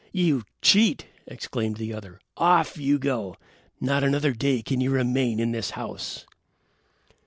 "You cheat," exclaimed the other. "Off you go. Not another day can you remain in this house."